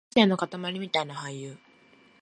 無個性のかたまりみたいな俳優